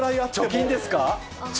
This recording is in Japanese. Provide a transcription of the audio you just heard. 貯金ですか？